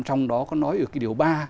trong đó có nói ở điều ba